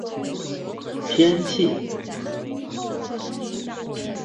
天气